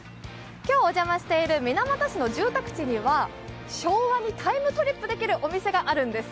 今日、お邪魔している水俣市の住宅地には、昭和にタイムトリップできるお店があるんです。